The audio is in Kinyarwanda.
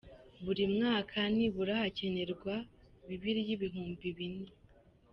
Buri mwaka hakenerwa nibura Bibiliya ibihumbi bine.